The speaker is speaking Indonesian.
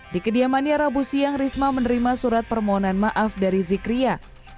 di kediamannya rabu siang risma menerima surat permohonan maaf dari zikria